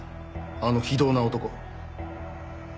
あの非道な男を。